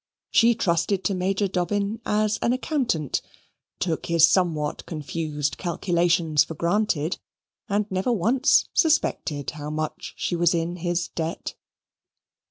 She trusted to Major Dobbin as an accountant, took his somewhat confused calculations for granted, and never once suspected how much she was in his debt.